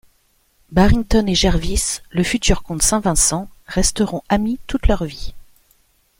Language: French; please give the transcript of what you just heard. Barrington et Jervis, le futur comte Saint Vincent, resteront amis toute leur vie.